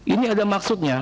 ini ada maksudnya